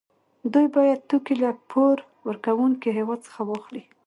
دوی باید توکي له پور ورکوونکي هېواد څخه واخلي